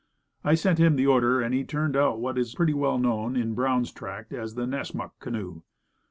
I sent him the order, and he turned out what is pretty well known in "Brown's Tract" as the "Nessmuk canoe."